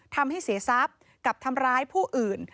ทำให้เสียทรัพย์กับทำร้ายผู้อื่น